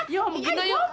ya mungkin aja